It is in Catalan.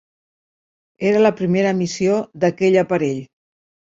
Era la primera missió d'aquell aparell.